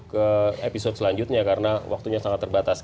ke episode selanjutnya karena waktunya sangat terbatas